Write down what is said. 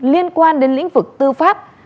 liên quan đến lĩnh vực tư pháp